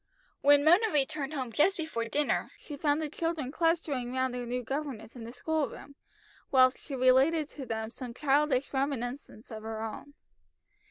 When Mona returned home just before dinner, she found the children clustering round their new governess in the school room, whilst she related to them some childish reminiscence of her own.